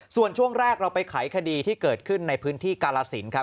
ส่วนช่วงแรกเราไปไขคดีที่เกิดขึ้นในพื้นที่กาลสินครับ